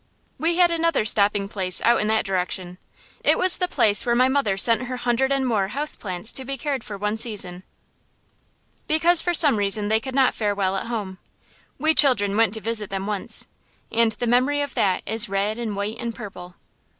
We had another stopping place out in that direction. It was the place where my mother sent her hundred and more house plants to be cared for one season, because for some reason they could not fare well at home. We children went to visit them once; and the memory of that is red and white and purple.